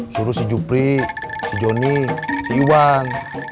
suruh si jupri si joni si iwan